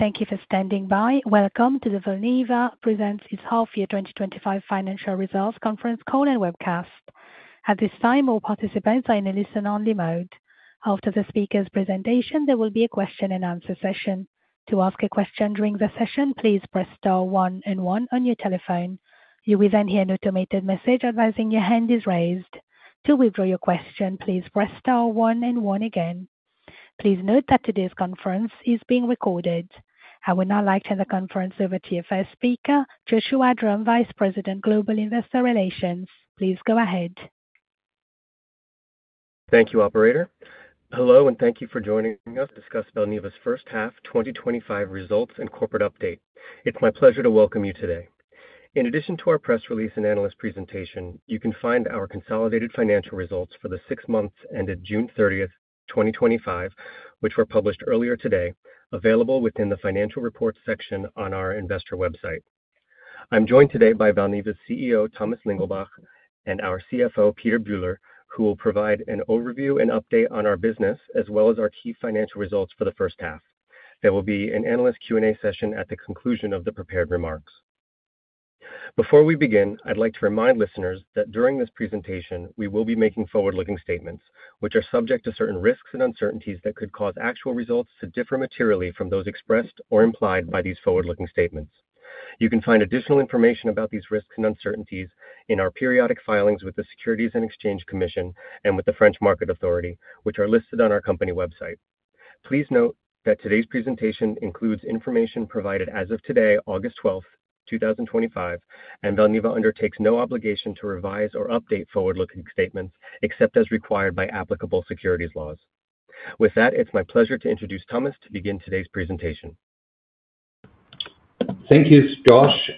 Thank you for standing by. Welcome to the Valneva presents its half-year 2025 financial results conference call and webcast. At this time, all participants are in a listen-only mode. After the speaker's presentation, there will be a question and answer session. To ask a question during the session, please press star one and one on your telephone. You will then hear an automated message advising your hand is raised. To withdraw your question, please press star one and one again. Please note that today's conference is being recorded. I will now like to hand the conference over to your first speaker, Joshua Drumm, Vice President, Global Investor Relations. Please go ahead. Thank you, operator. Hello and thank you for joining us to discuss Valneva's first half 2025 results and corporate update. It's my pleasure to welcome you today. In addition to our press release and analyst presentation, you can find our consolidated financial results for the six months ended June 30th, 2025, which were published earlier today, available within the financial reports section on our investor website. I'm joined today by Valneva's CEO, Thomas Lingelbach, and our CFO, Peter Bühler, who will provide an overview and update on our business as well as our key financial results for the first half. There will be an analyst Q&A session at the conclusion of the prepared remarks. Before we begin, I'd like to remind listeners that during this presentation, we will be making forward-looking statements, which are subject to certain risks and uncertainties that could cause actual results to differ materially from those expressed or implied by these forward-looking statements. You can find additional information about these risks and uncertainties in our periodic filings with the Securities and Exchange Commission and with the French Market Authority, which are listed on our company website. Please note that today's presentation includes information provided as of today, August 12th, 2025, and Valneva undertakes no obligation to revise or update forward-looking statements except as required by applicable securities laws. With that, it's my pleasure to introduce Thomas to begin today's presentation. Thank you, Josh.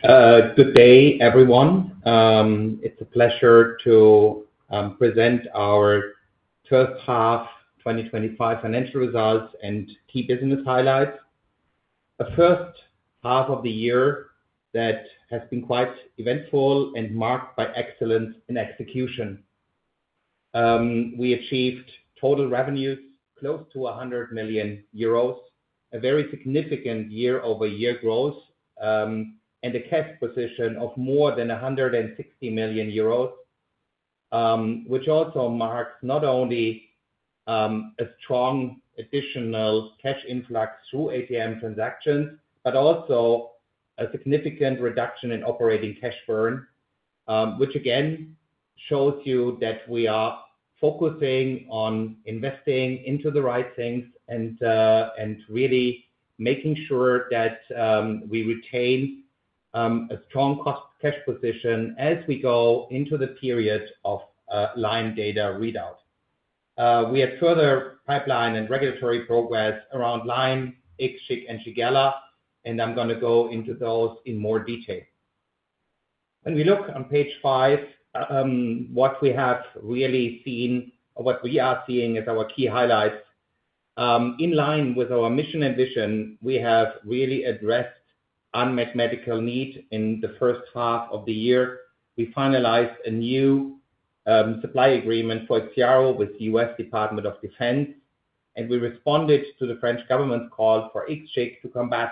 Good day, everyone. It's a pleasure to present our first half 2025 financial results and key business highlights. The first half of the year has been quite eventful and marked by excellence in execution. We achieved total revenues close to 100 million euros, a very significant year-over-year growth, and a cash position of more than 160 million euros, which also marks not only a strong additional cash influx through ATM transactions, but also a significant reduction in operating cash burn, which again shows you that we are focusing on investing into the right things and really making sure that we retain a strong cash position as we go into the period of Lyme data readout. We had further pipeline and regulatory progress around Lyme, IXCHIQ, and Shigella, and I'm going to go into those in more detail. When we look on page five, what we have really seen, or what we are seeing as our key highlights, in line with our mission and vision, we have really addressed unmet medical need in the first half of the year. We finalized a new supply agreement for IXIARO with the U.S. Department of Defense, and we responded to the French government's call for IXCHIQ to combat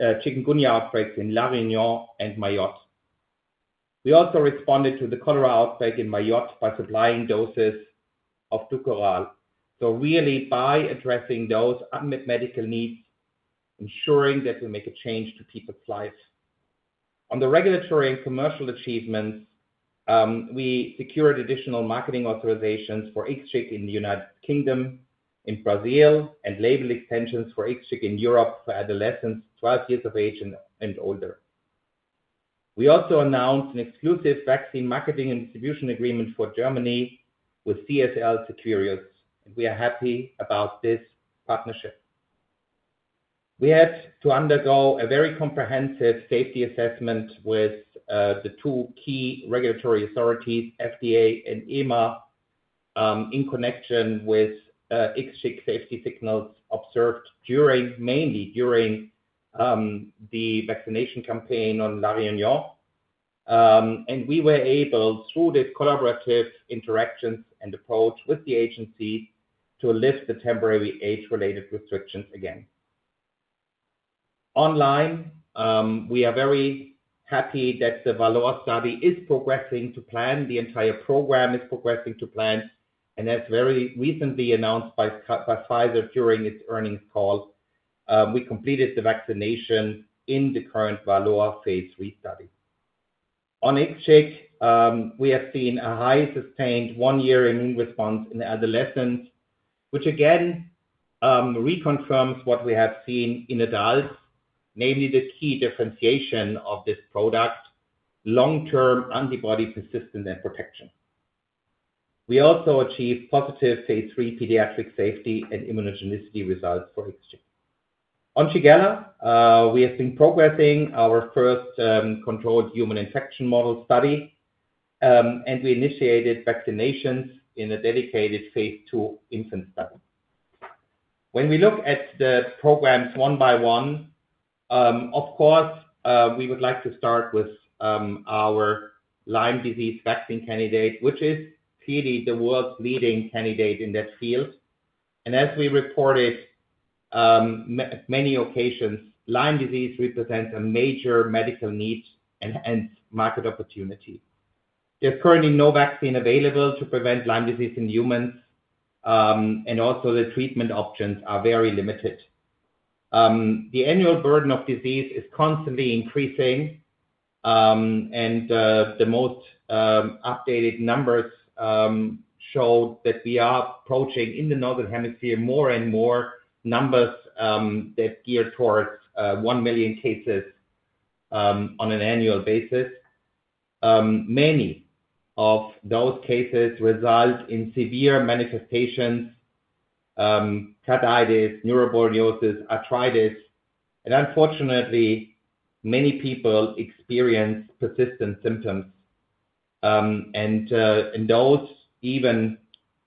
chikungunya outbreaks in La Réunion and Mayotte. We also responded to the cholera outbreak in Mayotte by supplying doses of DUKORAL. By addressing those unmet medical needs, ensuring that we make a change to people's lives. On the regulatory and commercial achievements, we secured additional marketing authorizations for IXCHIQ in the United Kingdom, in Brazil, and label extensions for IXCHIQ in Europe for adolescents 12 years of age and older. We also announced an exclusive vaccine marketing and distribution agreement for Germany with CSL Seqirus, and we are happy about this partnership. We had to undergo a very comprehensive safety assessment with the two key regulatory authorities, FDA and EMA, in connection with IXCHIQ safety signals observed mainly during the vaccination campaign on La Réunion. We were able, through this collaborative interaction and approach with the agency, to lift the temporary age-related restrictions again. Online, we are very happy that the VALOR study is progressing to plan. The entire program is progressing to plan, and as very recently announced by Pfizer during its earnings call, we completed the vaccination in the current VALOR phase III study. On IXCHIQ, we have seen a high sustained one-year immune response in adolescents, which again reconfirms what we have seen in adults, namely the key differentiation of this product: long-term antibody persistence and protection. We also achieved positive phase III pediatric safety and immunogenicity results for IXCHIQ. On Shigella, we have been progressing our first controlled human infection model study, and we initiated vaccinations in a dedicated phase II infant study. When we look at the programs one by one, of course, we would like to start with our Lyme disease vaccine candidate, which is clearly the world's leading candidate in that field. As we reported on many occasions, Lyme disease represents a major medical need and hence market opportunity. There's currently no vaccine available to prevent Lyme disease in humans, and also the treatment options are very limited. The annual burden of disease is constantly increasing, and the most updated numbers show that we are approaching in the northern hemisphere more and more numbers that gear towards 1 million cases on an annual basis. Many of those cases result in severe manifestations: carditis, neuroborreliosis, arthritis, and unfortunately, many people experience persistent symptoms, and those even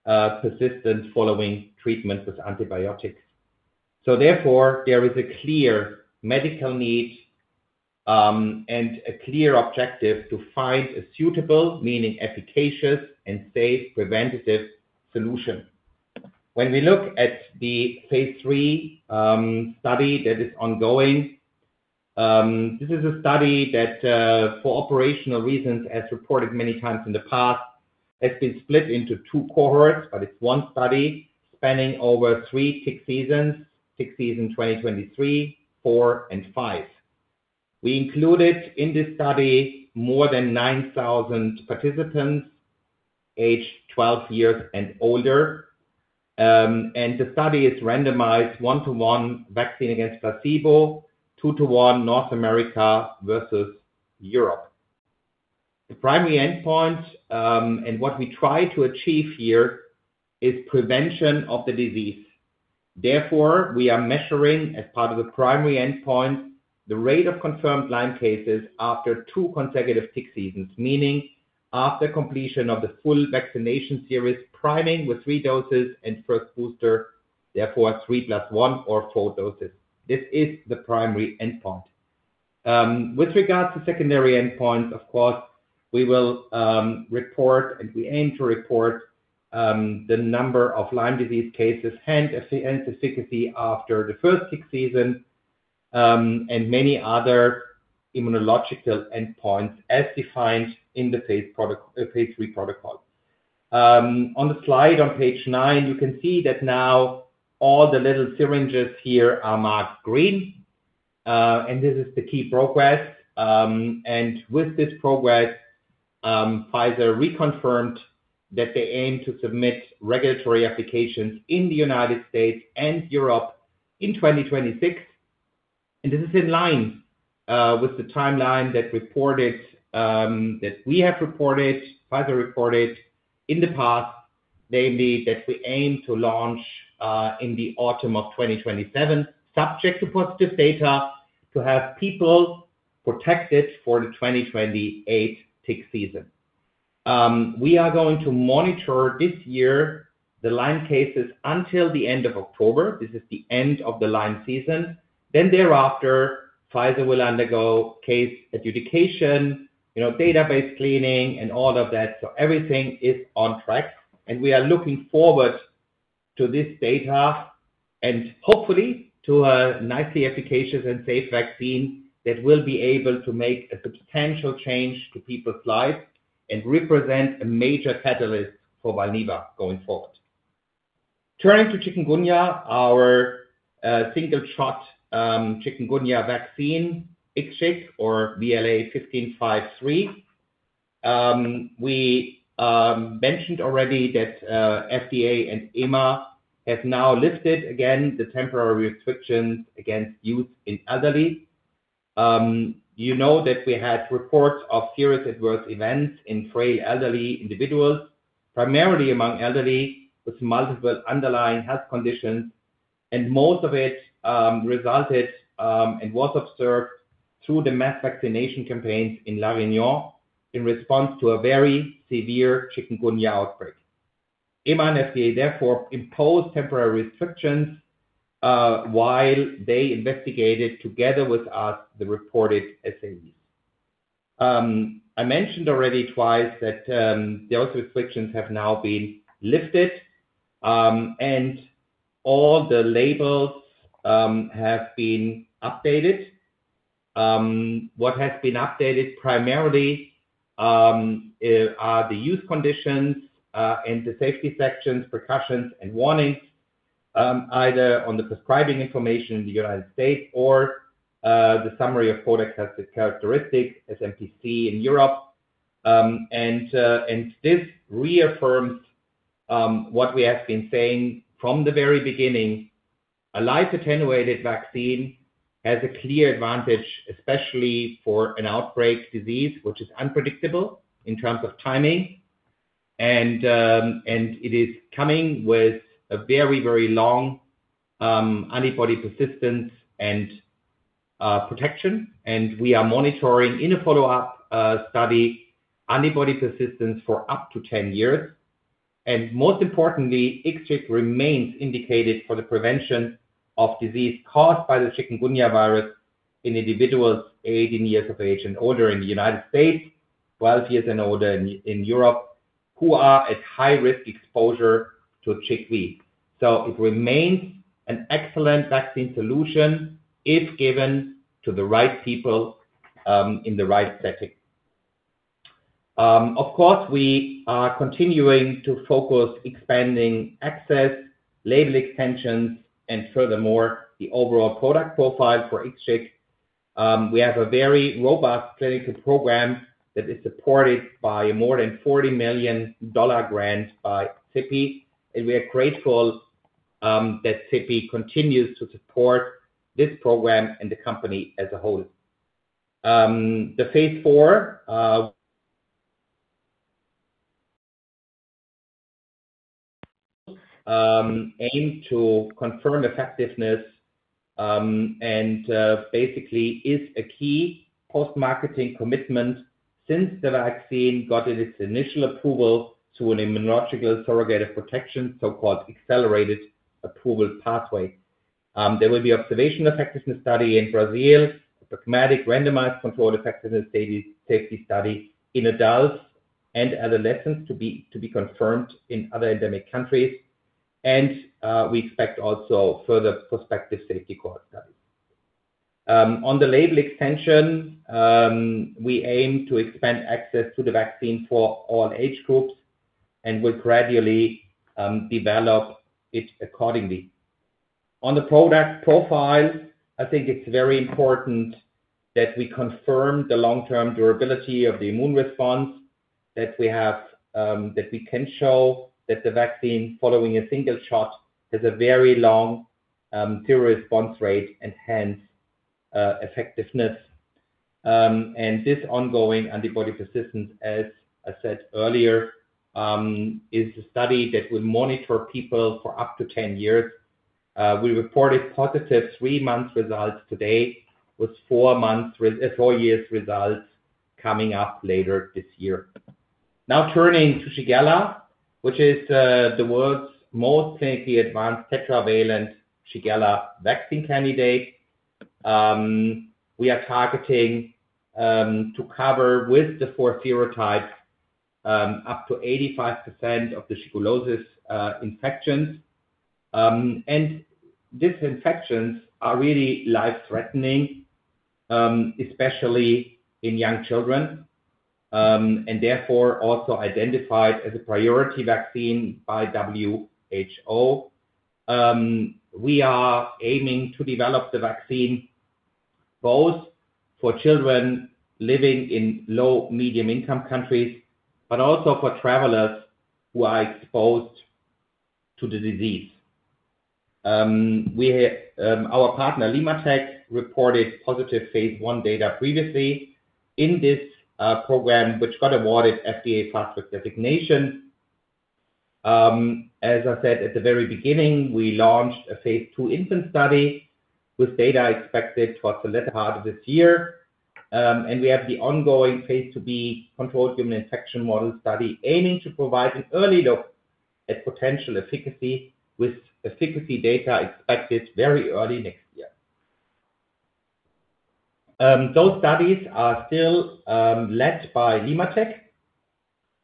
persist following treatment with antibiotics. Therefore, there is a clear medical need and a clear objective to find a suitable, meaning efficacious, and safe preventative solution. When we look at the phase III study that is ongoing, this is a study that, for operational reasons, as reported many times in the past, has been split into two cohorts, but it's one study spanning over three tick seasons, tick season 2023, 2024, and 2025. We included in this study more than 9,000 participants aged 12 years and older, and the study is randomized one-to-one vaccine against placebo, two-to-one North America versus Europe. The primary endpoint and what we try to achieve here is prevention of the disease. Therefore, we are measuring, as part of the primary endpoint, the rate of confirmed Lyme cases after two consecutive tick seasons, meaning after completion of the full vaccination series, priming with three doses and first booster, therefore 3+1 or four doses. This is the primary endpoint. With regards to secondary endpoints, of course, we will report, and we aim to report, the number of Lyme disease cases and efficacy after the first tick season and many other immunological endpoints as defined in the phase III protocol. On the slide on page nine, you can see that now all the little syringes here are marked green, and this is the key progress. With this progress, Pfizer reconfirmed that they aim to submit regulatory applications in the United States and Europe in 2026. This is in line with the timeline that we have reported Pfizer reported in the past, namely that we aim to launch in the autumn of 2027, subject to positive data, to have people protected for the 2028 tick season. We are going to monitor this year the Lyme cases until the end of October. This is the end of the Lyme season. Thereafter, Pfizer will undergo case adjudication, database cleaning, and all of that. Everything is on track, and we are looking forward to this data and hopefully to a nicely efficacious and safe vaccine that will be able to make a substantial change to people's lives and represent a major catalyst for Valneva going forward. Turning to chikungunya, our single-shot chikungunya vaccine, IXCHIQ or VLA1553, we mentioned already that FDA and EMA have now lifted again the temporary restrictions against use in elderly. We had reports of serious adverse events in frail elderly individuals, primarily among elderly with multiple underlying health conditions, and most of it resulted and was observed through the mass vaccination campaigns in La Réunion in response to a very severe chikungunya outbreak. EMA and FDA therefore imposed temporary restrictions while they investigated together with us the reported SAE. I mentioned already twice that those restrictions have now been lifted, and all the labels have been updated. What has been updated primarily are the use conditions and the safety sections, precautions, and warnings, either on the prescribing information in the United States or the summary of product characteristics, SmPC in Europe. This reaffirms what we have been saying from the very beginning. A live attenuated vaccine has a clear advantage, especially for an outbreak disease which is unpredictable in terms of timing, and it is coming with a very, very long antibody persistence and protection. We are monitoring in a follow-up study antibody persistence for up to 10 years. Most importantly, IXCHIQ remains indicated for the prevention of disease caused by the chikungunya virus in individuals 18 years of age and older in the United States, 12 years and older in Europe, who are at high risk exposure to CHIKV. It remains an excellent vaccine solution if given to the right people in the right setting. Of course, we are continuing to focus on expanding access, label extensions, and furthermore the overall product profile for IXCHIQ. We have a very robust clinical program that is supported by a more than $40 million grant by CEPI, and we are grateful that CEPI continues to support this program and the company as a whole. The phase IV aims to confirm effectiveness and basically is a key post-marketing commitment since the vaccine got in its initial approval to an immunological surrogate of protection, so-called accelerated approval pathway. There will be an observational effectiveness study in Brazil, a pragmatic randomized controlled effectiveness safety study in adults and adolescents to be confirmed in other endemic countries, and we expect also further prospective safety cohort studies. On the label extension, we aim to expand access to the vaccine for all age groups and will gradually develop it accordingly. On the product profile, I think it's very important that we confirm the long-term durability of the immune response that we can show that the vaccine following a single shot has a very long serious response rate and hence effectiveness. This ongoing antibody persistence, as I said earlier, is a study that will monitor people for up to 10 years. We reported positive three-month results today with four years' results coming up later this year. Now turning to Shigella, which is the world's most clinically advanced tetravalent Shigella vaccine candidate, we are targeting to cover with the four serotypes up to 85% of the Shigellosis infections. These infections are really life-threatening, especially in young children, and therefore also identified as a priority vaccine by WHO. We are aiming to develop the vaccine both for children living in low-medium-income countries, but also for travelers who are exposed to the disease. Our partner, LimmaTech, reported positive phase I data previously in this program, which got awarded FDA Fast Track designation. As I said at the very beginning, we launched a phase II infant study with data expected towards the latter part of this year, and we have the ongoing phase II-B controlled human infection model study aiming to provide an early look at potential efficacy with efficacy data expected very early next year. Those studies are still led by LimmaTech,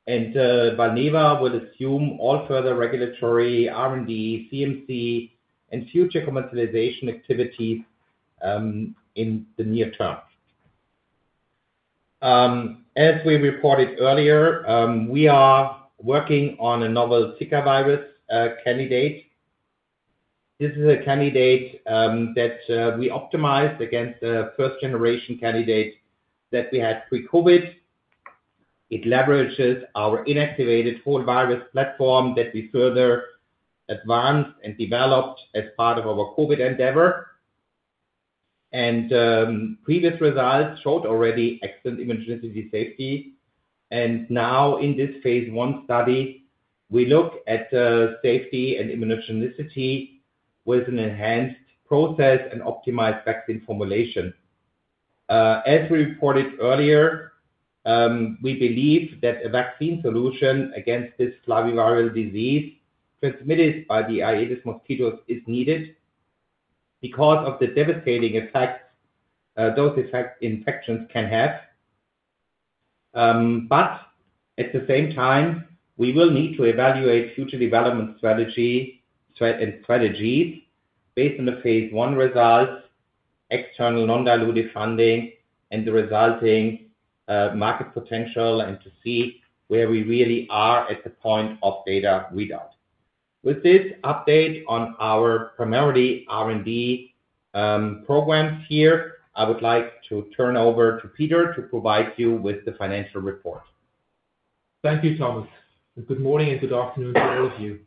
and Valneva will assume all further regulatory R&D, CMC, and future commercialization activities in the near term. As we reported earlier, we are working on a novel Zika vaccine candidate. This is a candidate that we optimized against the first-generation candidate that we had pre-COVID. It leverages our inactivated whole virus platform that we further advanced and developed as part of our COVID endeavor. Previous results showed already excellent immunogenicity and safety. In this phase I study, we look at safety and immunogenicity with an enhanced process and optimized vaccine formulation. As we reported earlier, we believe that a vaccine solution against this flaviviral disease transmitted by the Aedes mosquitoes is needed because of the devastating effects those infections can have. At the same time, we will need to evaluate future development strategies based on the phase I results, external non-dilutive funding, and the resulting market potential to see where we really are at the point of data readout. With this update on our primary R&D programs here, I would like to turn over to Peter to provide you with the financial report. Thank you, Thomas. Good morning and good afternoon to all of you.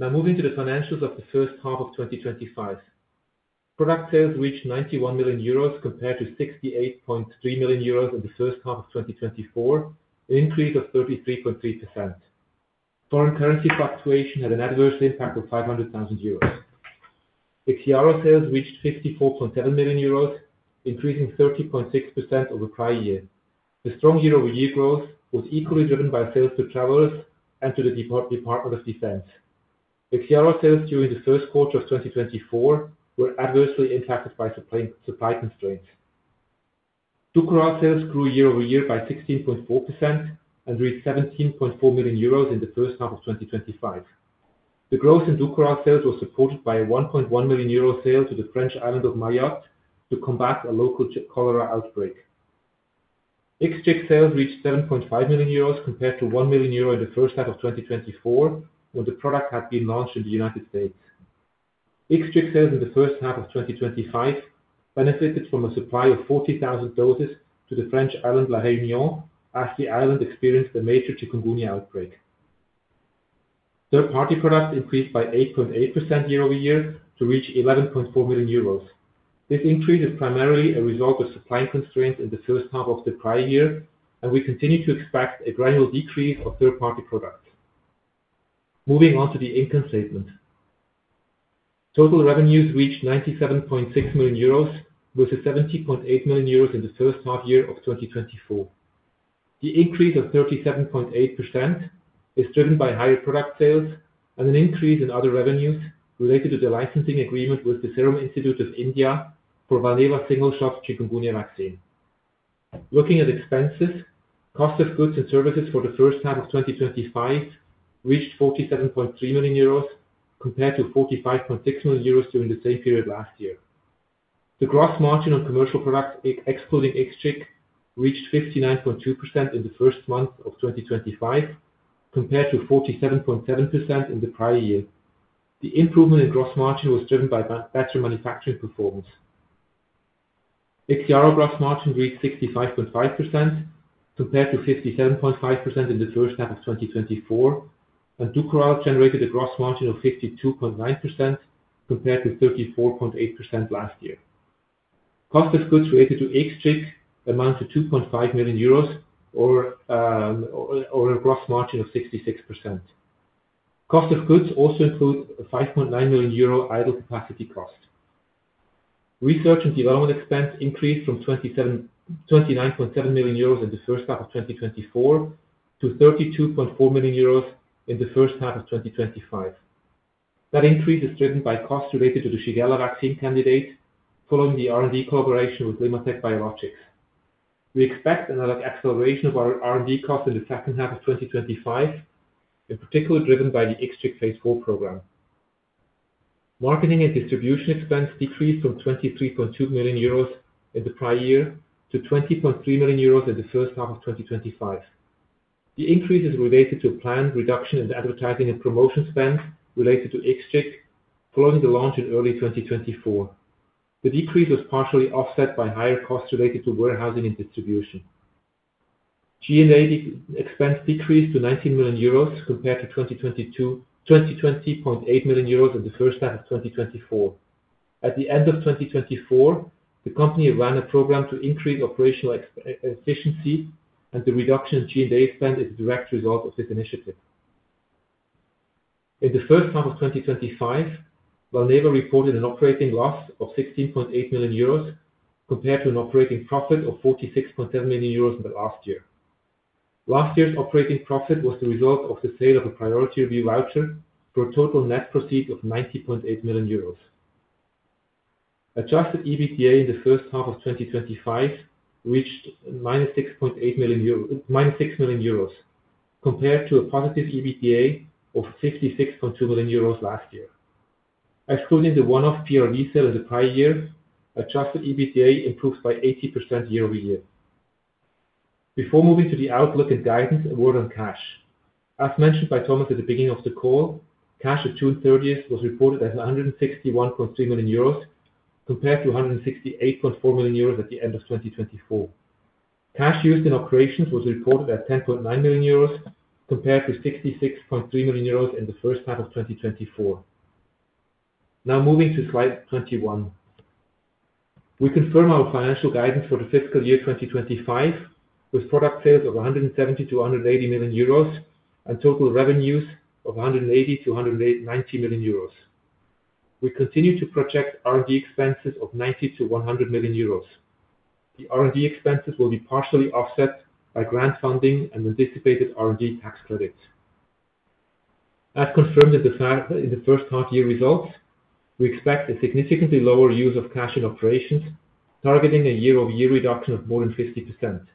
Now moving to the financials of the first half of 2025. Product sales reached 91 million euros compared to 68.3 million euros in the first half of 2024, an increase of 33.3%. Foreign currency fluctuation had an adverse impact of 500,000 euros. IXIARO sales reached 54.7 million euros, increasing 30.6% over prior years. The strong year-over-year growth was equally driven by sales to travelers and to the Department of Defense. IXIARO sales during the first quarter of 2024 were adversely impacted by supply constraints. DUKORAL sales grew year-over-year by 16.4% and reached 17.4 million euros in the first half of 2025. The growth in DUKORAL sales was supported by a 1.1 million euro sale to the French island of Mayotte to combat a local cholera outbreak. IXCHIQ sales reached 7.5 million euros compared to 1 million euro in the first half of 2024 when the product had been launched in the United States. IXCHIQ sales in the first half of 2025 benefited from a supply of 40,000 doses to the French island La Réunion as the island experienced a major chikungunya outbreak. Third-party products increased by 8.8% year-over-year to reach 11.4 million euros. This increase is primarily a result of supply constraints in the first half of the prior year, and we continue to expect a gradual decrease of third-party products. Moving on to the income statement. Total revenues reached 97.6 million euros, with 70.8 million euros in the first half year of 2024. The increase of 37.8% is driven by higher product sales and an increase in other revenues related to the licensing agreement with the Serum Institute of India for Valneva single-shot chikungunya vaccine. Looking at expenses, cost of goods and services for the first half of 2025 reached 47.3 million euros compared to 45.6 million euros during the same period last year. The gross margin on commercial products, excluding IXCHIQ, reached 59.2% in the first month of 2025 compared to 47.7% in the prior year. The improvement in gross margin was driven by better manufacturing performance. IXIARO gross margin reached 65.5% compared to 57.5% in the first half of 2024, and DUKORAL generated a gross margin of 52.9% compared to 34.8% last year. Cost of goods related to IXCHIQ amounts to 2.5 million euros or a gross margin of 66%. Cost of goods also includes a 5.9 million euro idle capacity cost. Research and development expense increased from 29.7 million euros in the first half of 2024 to 32.4 million euros in the first half of 2025. That increase is driven by costs related to the Shigella vaccine candidate following the R&D collaboration with LimmaTech Biologics. We expect another acceleration of our R&D costs in the second half of 2025, in particular driven by the IXCHIQ phase IV program. Marketing and distribution expense decreased from 23.2 million euros in the prior year to 20.3 million euros in the first half of 2025. The decrease is related to planned reduction in advertising and promotion spend related to IXCHIQ following the launch in early 2024. The decrease was partially offset by higher costs related to warehousing and distribution. G&A expense decreased to 19 million euros compared to 20.8 million euros in the first half of 2024. At the end of 2024, the company ran a program to increase operational efficiency, and the reduction in G&A spend is a direct result of this initiative. In the first half of 2025, Valneva reported an operating loss of 16.8 million euros compared to an operating profit of 46.7 million euros in the last year. Last year's operating profit was the result of the sale of a priority review voucher for a total net proceed of 90.8 million euros. Adjusted EBITDA in the first half of 2025 reached -6 million euros compared to a positive EBITDA of 66.2 million euros last year. Excluding the one-off PRV sale in the prior year, adjusted EBITDA improves by 80% year-over-year. Before moving to the outlook and guidance, a word on cash. As mentioned by Thomas at the beginning of the call, cash at June 30th was reported as 161.3 million euros compared to 168.4 million euros at the end of 2024. Cash used in operations was reported at 10.9 million euros compared to 66.3 million euros in the first half of 2024. Now moving to slide 21, we confirm our financial guidance for the fiscal year 2025 with product sales of 170 million-180 million euros and total revenues of 180 million-190 million euros. We continue to project R&D expenses of 90 million-100 million euros. The R&D expenses will be partially offset by grant funding and anticipated R&D tax credits. As confirmed in the first half-year results, we expect a significantly lower use of cash in operations, targeting a year-over-year reduction of more than 50%.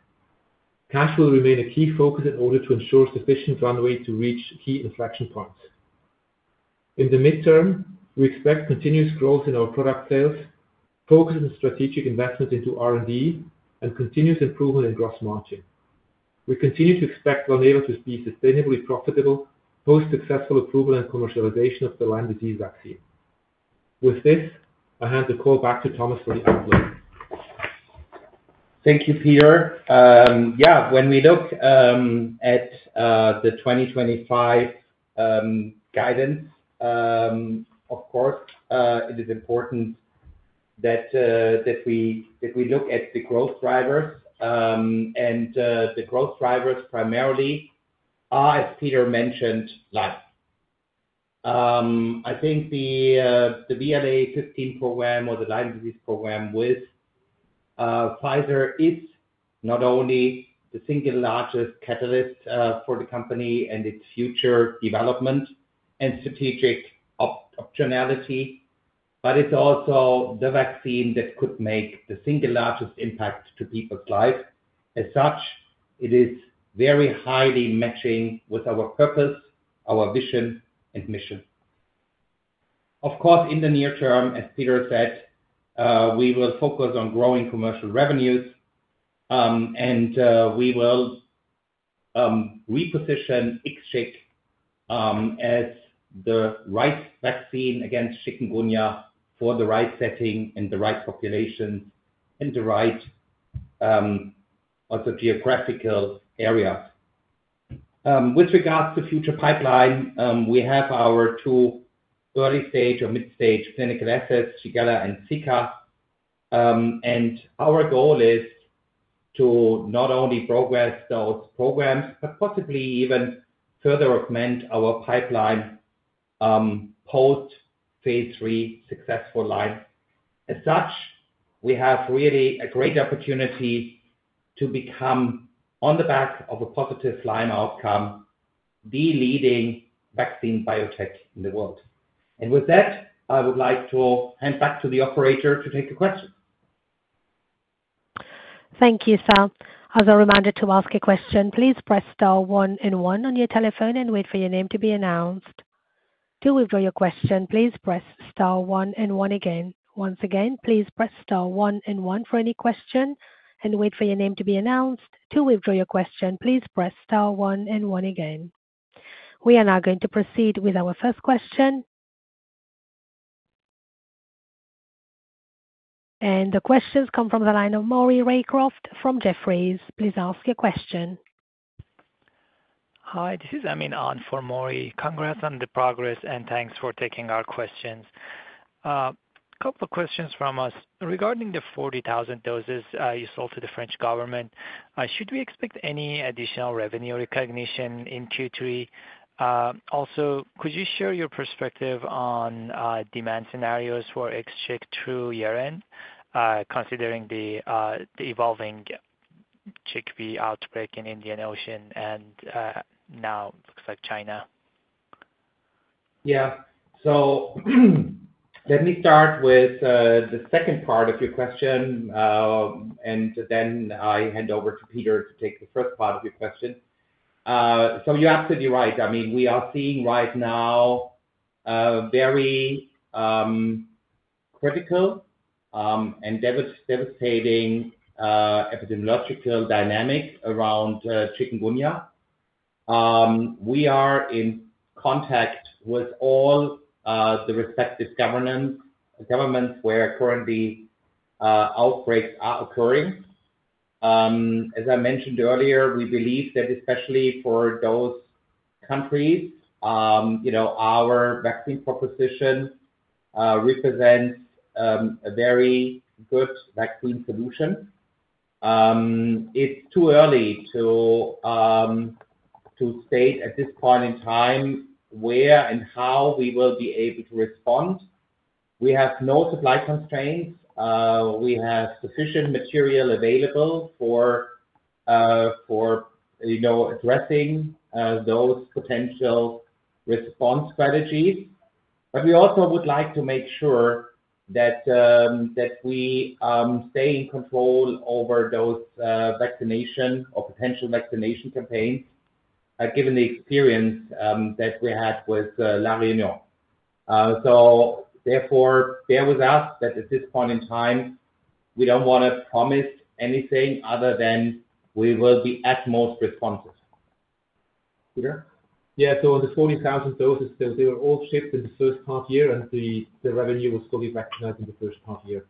Cash will remain a key focus in order to ensure sufficient runway to reach key inflection points. In the midterm, we expect continuous growth in our product sales, focus on strategic investments into R&D, and continuous improvement in gross margin. We continue to expect Valneva to be sustainably profitable post-successful approval and commercialization of the Lyme disease vaccine. With this, I hand the call back to Thomas for the conclusion. Thank you, Peter. Yeah, when we look at the 2025 guidance, of course, it is important that we look at the growth drivers, and the growth drivers primarily are, as Peter mentioned, less. I think the VLA15 program or the Lyme disease program with Pfizer is not only the single largest catalyst for the company and its future development and strategic optionality, but it's also the vaccine that could make the single largest impact to people's lives. As such, it is very highly matching with our purpose, our vision, and mission. Of course, in the near term, as Peter said, we will focus on growing commercial revenues, and we will reposition IXCHIQ as the right vaccine against chikungunya for the right setting and the right population and the right also geographical area. With regards to future pipeline, we have our two early-stage or mid-stage clinical assets, Shigella and Zika, and our goal is to not only progress those programs, but possibly even further augment our pipeline post-phase III successful line. As such, we have really a great opportunity to become, on the back of a positive line outcome, the leading vaccine biotech in the world. With that, I would like to hand back to the operator to take the question. Thank you, [Sal]. As a reminder to ask a question, please press star one and one on your telephone and wait for your name to be announced. To withdraw your question, please press star one and one again. Once again, please press star one and one for any question and wait for your name to be announced. To withdraw your question, please press star one and one again. We are now going to proceed with our first question. The questions come from the line of Maury Raycroft from Jefferies. Please ask your question. Hi, this is Amin on for Maury. Congrats on the progress and thanks for taking our questions. A couple of questions from us. Regarding the 40,000 doses you sold to the French government, should we expect any additional revenue recognition in Q3? Also, could you share your perspective on demand scenarios for IXCHIQ through year-end, considering the evolving CHIKV outbreak in the Indian Ocean and now it looks like China? Let me start with the second part of your question, and then I hand over to Peter to take the first part of your question. You're absolutely right. We are seeing right now very critical and devastating epidemiological dynamics around chikungunya. We are in contact with all the respective governments where currently outbreaks are occurring. As I mentioned earlier, we believe that especially for those countries, our vaccine proposition represents a very good vaccine solution. It's too early to state at this point in time where and how we will be able to respond. We have no supply constraints. We have sufficient material available for addressing those potential response strategies. We also would like to make sure that we stay in control over those vaccination or potential vaccination campaigns, given the experience that we had with La Réunion. Therefore, bear with us that at this point in time, we don't want to promise anything other than we will be at most responsive. Peter? Yeah, so the 40,000 doses, they were all shipped in the first half year, and the revenue was fully recognized in the first half year.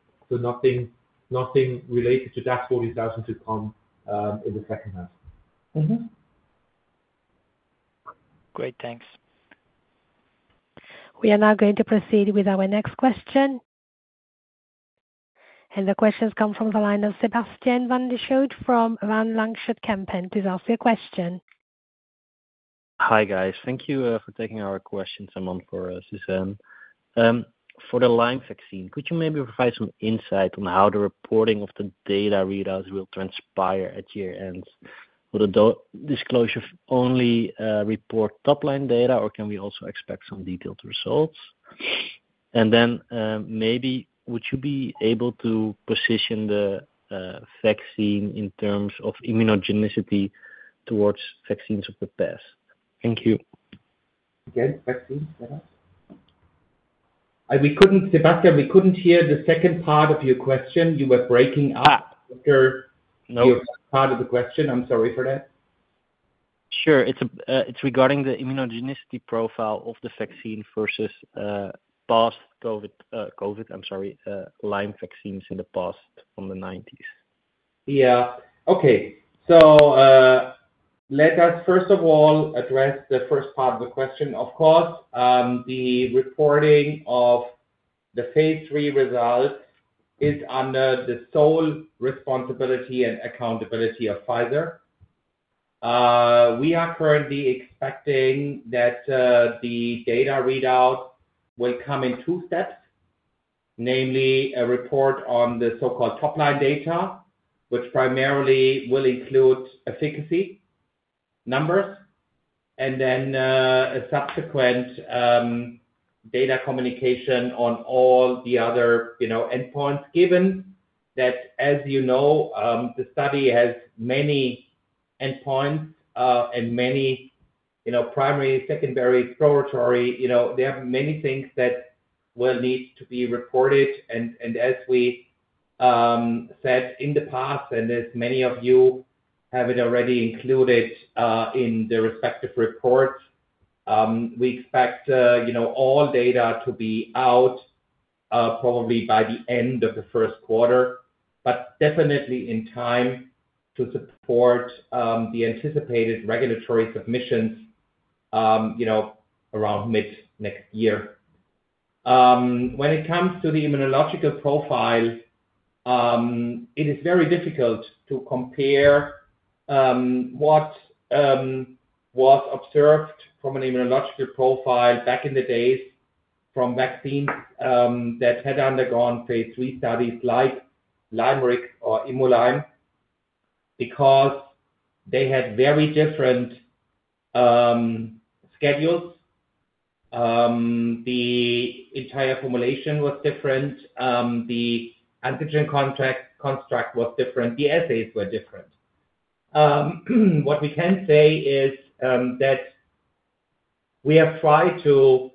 Nothing related to that 40,000 should come in the second half. Great, thanks. We are now going to proceed with our next question. The questions come from the line of Sebastiaan van der Schoot from Van Lanschot Kempen to ask your question. Hi guys, thank you for taking our questions, and one for Suzanne. For the Lyme vaccine, could you maybe provide some insight on how the reporting of the data readouts will transpire at year-end? Will the disclosure only report top-line data, or can we also expect some detailed results? Would you be able to position the vaccine in terms of immunogenicity towards vaccines of the past? Thank you. Sebastian, we couldn't hear the second part of your question. You were breaking up. Is there another part of the question? I'm sorry for that. Sure, it's regarding the immunogenicity profile of the vaccine versus past Lyme vaccines in the past, from the 1990s. Yeah, okay. Let us first of all address the first part of the question. Of course, the reporting of the phase III result is under the sole responsibility and accountability of Pfizer. We are currently expecting that the data readout will come in two steps, namely a report on the so-called top-line data, which primarily will include efficacy numbers, and then a subsequent data communication on all the other endpoints given that, as you know, the study has many endpoints and many primary, secondary, exploratory, you know, there are many things that will need to be reported. As we said in the past, and as many of you have already included in the respective reports, we expect all data to be out probably by the end of the first quarter, but definitely in time to support the anticipated regulatory submissions around mid-next year. When it comes to the immunological profile, it is very difficult to compare what was observed from an immunological profile back in the days from vaccines that had undergone phase III studies like LYMErix or ImuLyme because they had very different schedules. The entire formulation was different. The antigen construct was different. The assays were different. What we can say is that we have tried to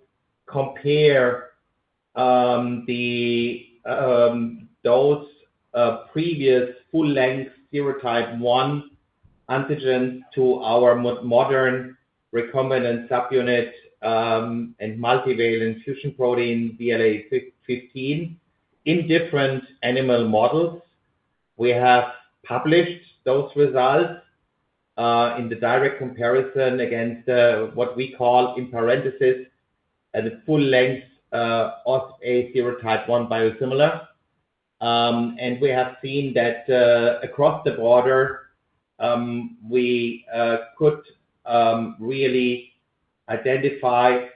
compare those previous full-length serotype 1 antigen to our modern recombinant subunit and multivalent fusion protein VLA15 in different animal models. We have published those results in the direct comparison against what we call in parentheses a full-length of a serotype 1 biosimilar. We have seen that across the border, we could really identify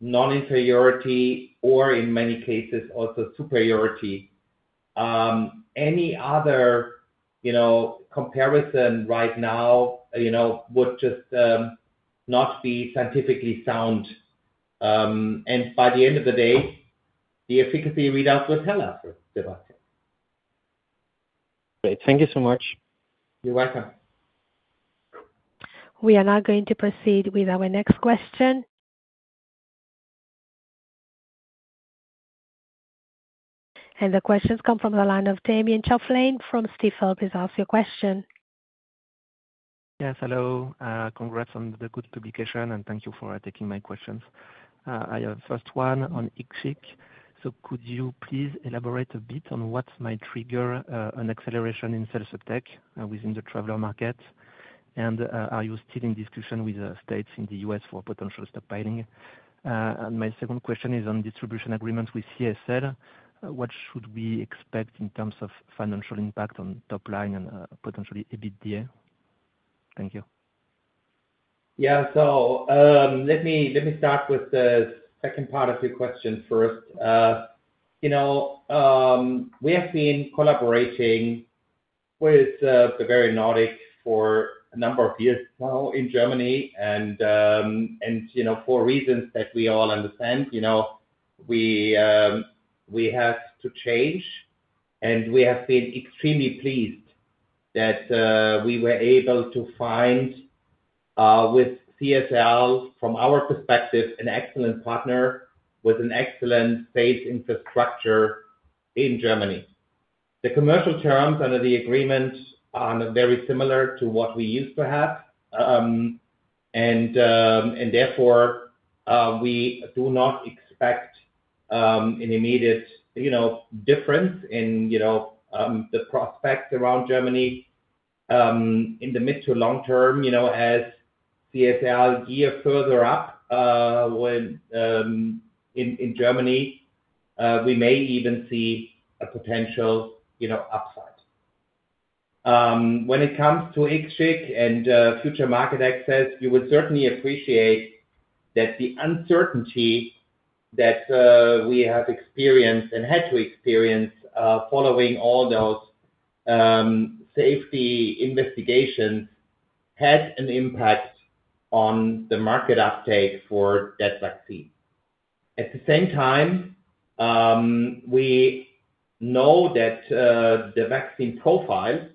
non-inferiority or, in many cases, also superiority. Any other comparison right now would just not be scientifically sound. By the end of the day, the efficacy readouts were teller. Great, thank you so much. You're welcome. We are now going to proceed with our next question. The questions come from the line of Damien Choplain from Stifel. Please ask your question. Yes, hello. Congrats on the good publication and thank you for taking my questions. I have a first one on IXCHIQ. Could you please elaborate a bit on what might trigger an acceleration in sales uptake within the traveler market? Are you still in discussion with the states in the U.S. for potential stockpiling? My second question is on distribution agreements with CSL. What should we expect in terms of financial impact on top line and potentially EBITDA? Thank you. Let me start with the second part of your question first. We have been collaborating with the very Nordics for a number of years now in Germany. For reasons that we all understand, we have to change. We have been extremely pleased that we were able to find, with CSL from our perspective, an excellent partner with an excellent base infrastructure in Germany. The commercial terms under the agreement are very similar to what we used to have. Therefore, we do not expect an immediate difference in the prospect around Germany. In the mid to long term, as CSL gears further up in Germany, we may even see a potential upside. When it comes to IXCHIQ and future market access, you would certainly appreciate that the uncertainty that we have experienced and had to experience following all those safety investigations has an impact on the market uptake for that vaccine. At the same time, we know that the vaccine profile,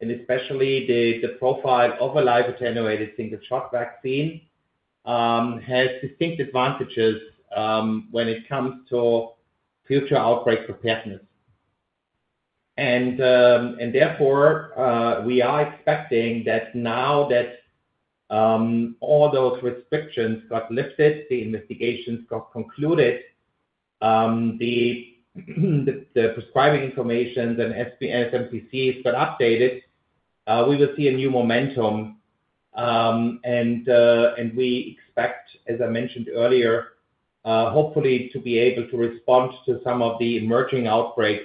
and especially the profile of a live-generated single-shot vaccine, has distinct advantages when it comes to future outbreak preparedness. Therefore, we are expecting that now that all those restrictions got lifted, the investigations got concluded, the prescribing information and SmPCs got updated, we will see a new momentum. We expect, as I mentioned earlier, hopefully to be able to respond to some of the emerging outbreaks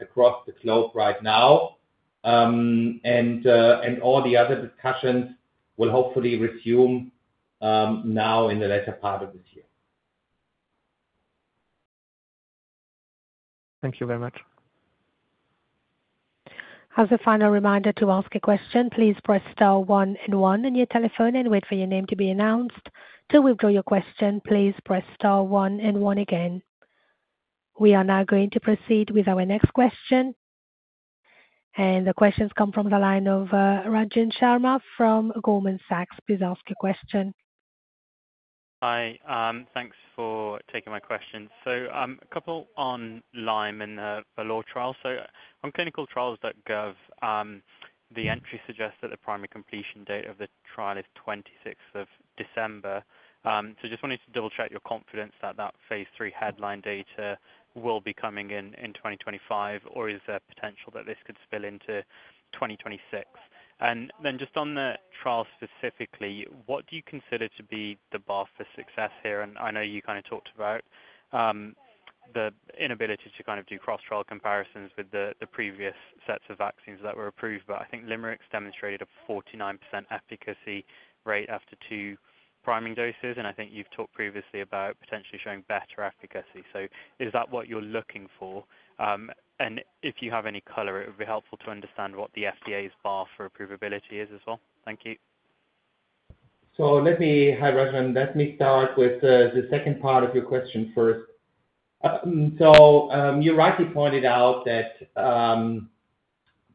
across the globe right now. All the other discussions will hopefully resume now in the latter part of this year. Thank you very much. As a final reminder to ask a question, please press star one and one on your telephone and wait for your name to be announced. To withdraw your question, please press star one and one again. We are now going to proceed with our next question. The questions come from the line of Rajan Sharma from Goldman Sachs. Please ask your question. Hi, thanks for taking my question. A couple on Lyme and the VALOR trial. On clinicaltrials.gov, the entry suggests that the primary completion date of the trial is 26th of December. I just wanted to double-check your confidence that that phase III headline data will be coming in in 2025, or is there potential that this could spill into 2026? Just on the trial specifically, what do you consider to be the bar for success here? I know you kind of talked about the inability to kind of do cross-trial comparisons with the previous sets of vaccines that were approved, but I think LYMErix demonstrated a 49% efficacy rate after two priming doses, and I think you've talked previously about potentially showing better efficacy. Is that what you're looking for? If you have any color, it would be helpful to understand what the FDA's bar for approvability is as well. Thank you. Let me highlight and start with the second part of your question first. You're right, you pointed out that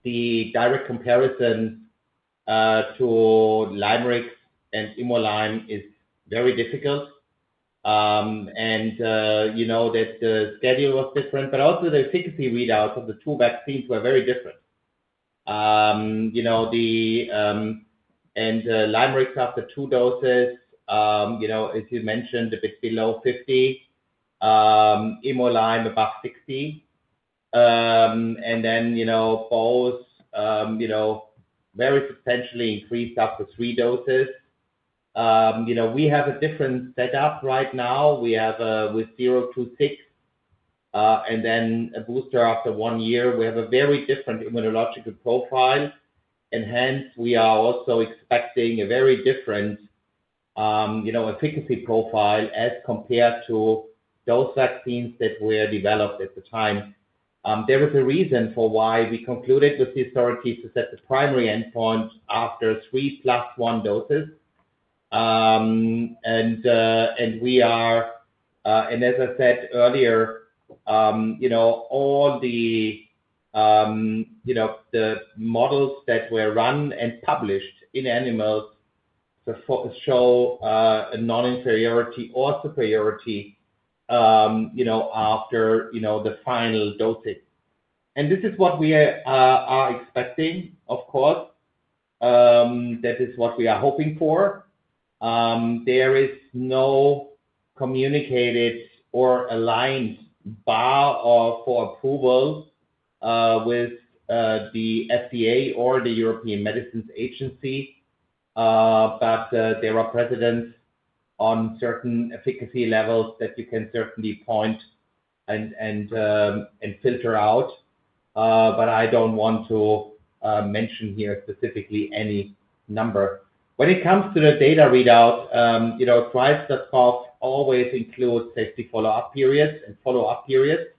the direct comparison to LYMErix and ImuLyme is very difficult. You know that the schedule was different, but also the efficacy readouts of the two vaccines were very different. LYMErix after two doses, as you mentioned, a bit below 50%, ImuLyme above 60%. Both very substantially increased after three doses. We have a different setup right now. We have with [0-2 tick], and then a booster after one year. We have a very different immunological profile, and hence we are also expecting a very different efficacy profile as compared to those vaccines that were developed at the time. There is a reason for why we concluded with the authority to set the primary endpoint after 3+1 doses. As I said earlier, all the models that were run and published in animals show a non-inferiority or superiority after the final dosing. This is what we are expecting, of course. That is what we are hoping for. There is no communicated or aligned bar for approval with the FDA or the European Medicines Agency, but there are precedents on certain efficacy levels that you can certainly point and filter out. I don't want to mention here specifically any number. When it comes to the data readout, trials.gov always includes safety follow-up periods and follow-up periods.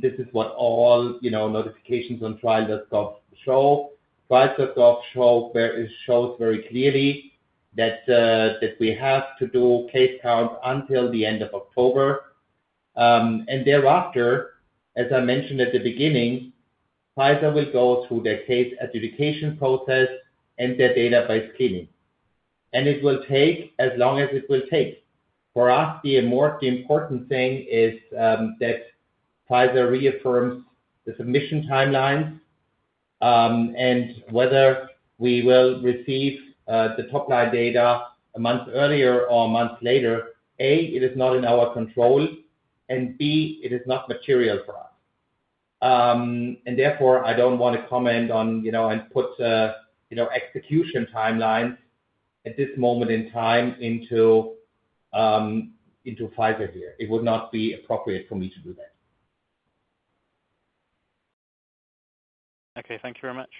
This is what all notifications on trials.gov show. Trials.gov shows very clearly that we have to do case count until the end of October. Thereafter, as I mentioned at the beginning, Pfizer will go through their case adjudication process and their database cleaning, and it will take as long as it will take. For us, the more important thing is that Pfizer reaffirms the submission timelines and whether we will receive the top-line data a month earlier or a month later. It is not in our control, and it is not material for us. Therefore, I don't want to comment on and put execution timeline at this moment in time into Pfizer here. It would not be appropriate for me to do that. Okay, thank you very much.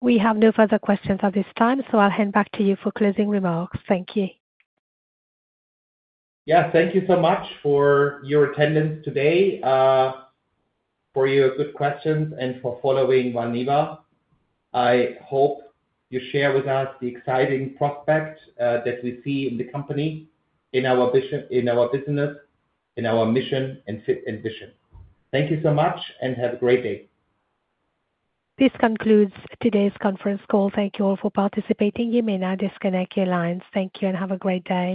We have no further questions at this time, so I'll hand back to you for closing remarks. Thank you. Thank you so much for your attendance today, for your good questions, and for following Valneva. I hope you share with us the exciting prospect that we see in the company, in our business, in our mission, and vision. Thank you so much and have a great day. This concludes today's conference call. Thank you all for participating. You may now disconnect your lines. Thank you and have a great day.